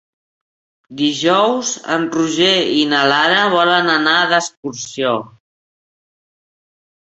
Dijous en Roger i na Lara volen anar d'excursió.